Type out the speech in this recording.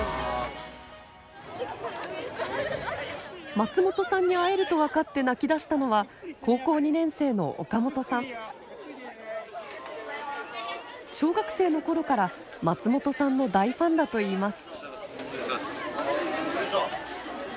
松本さんに会えると分かって泣きだしたのは小学生の頃から松本さんの大ファンだといいます。